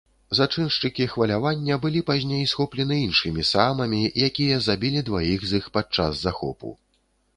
Зачыншчыкі хвалявання былі пазней схоплены іншымі саамамі, якія забілі дваіх з іх падчас захопу.